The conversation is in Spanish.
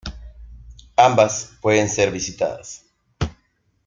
Ambas pueden ser visitadas.